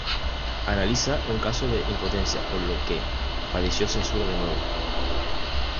Analiza un caso de impotencia, por lo que padeció censura de nuevo.